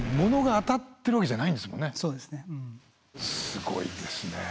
すごいですね。